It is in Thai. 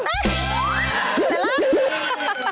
เห็นแล้ว